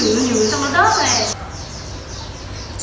nó nhử nhử nó nhử nó nhử